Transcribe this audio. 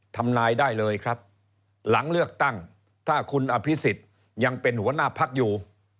ทำนายได้เลยครับหลังเลือกตั้งถ้าคุณอภิษฎยังเป็นหัวหน้าพักอยู่